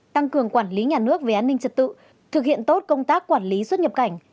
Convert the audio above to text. tăng cường quản lý nhà nước về an ninh trật tự thực hiện tốt công tác quản lý xuất nhập cảnh